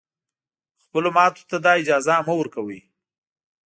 خپلو ماتو ته دا اجازه مه ورکوی